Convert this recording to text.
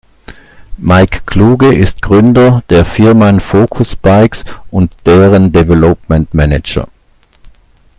Mike Kluge ist Gründer der Firman Focus-Bikes und deren Development Manager.